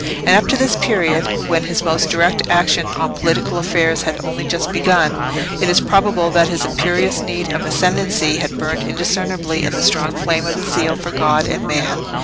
And up to this period, when his more direct action on political affairs had only just begun, it is probable that his imperious need of ascendancy had burned undiscernibly in the strong flame of his zeal for God and man.